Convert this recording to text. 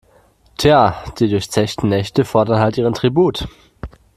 Tja, die durchzechten Nächte fordern halt ihren Tribut.